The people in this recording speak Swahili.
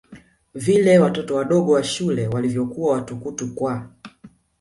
vile watoto wadogo wa shule waliokuwa watukutu kwa